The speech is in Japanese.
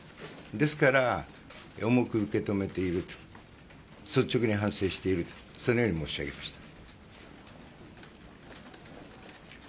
ですから、重く受け止めていると率直に反省しているとそのように申し上げました。